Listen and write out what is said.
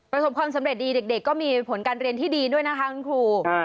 ประสบความสำเร็จดีเด็กก็มีผลการเรียนที่ดีด้วยนะคะคุณครู